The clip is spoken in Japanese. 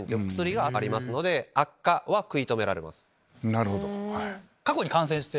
なるほど。